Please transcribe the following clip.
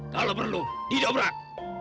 kalau perlu didobrak